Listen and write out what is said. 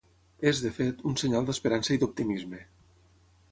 És, de fet, un senyal d’esperança i d’optimisme.